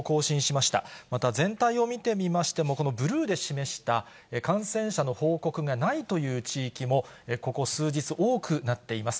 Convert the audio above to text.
また全体を見てみましても、このブルーで示した感染者の報告がないという地域も、ここ数日、多くなっています。